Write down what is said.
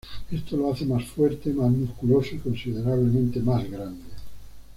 Esto los hace más fuertes, más musculosos y considerablemente más grandes.